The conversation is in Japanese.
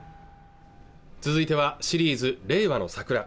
続いてはシリーズ「令和のサクラ」